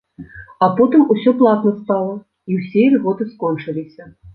А потым ўсё платна стала, і ўсе ільготы скончыліся.